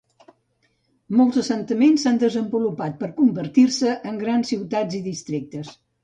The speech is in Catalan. Molts assentaments s'han desenvolupat per convertir-se en grans ciutats i districtes.